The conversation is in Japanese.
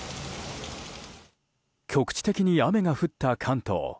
局地的に雨が降った関東。